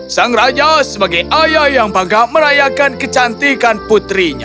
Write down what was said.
sang raja sebagai ayah yang bangga merayakan kecantikan putrinya